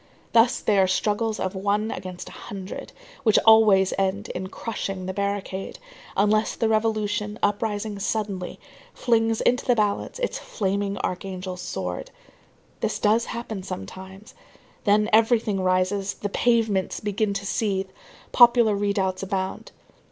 Thus they are struggles of one against a hundred, which always end in crushing the barricade; unless the revolution, uprising suddenly, flings into the balance its flaming archangel's sword. This does happen sometimes. Then everything rises, the pavements begin to seethe, popular redoubts abound.